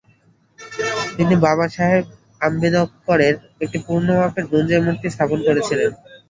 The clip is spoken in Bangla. তিনি বাবাসাহেব আম্বেদকরের একটি পূর্ণ মাপের ব্রোঞ্জের মূর্তি স্থাপন করেছিলেন।